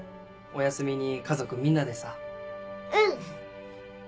お休みに家族みんなでさうん！